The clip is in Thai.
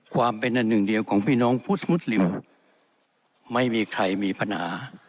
ความเป็นอันหนึ่งเดียวของพี่น้องผู้สมุทรลิมไม่มีใครมีปัญหา